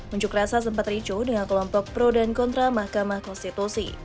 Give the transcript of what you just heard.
unjuk rasa sempat ricu dengan kelompok pro dan kontra mahkamah konstitusi